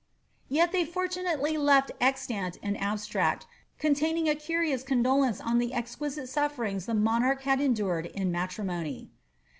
Yet they fortunately left extant an abstract, containing a curious condolence on the exquisite sufferings the monarch had endured in matrimony.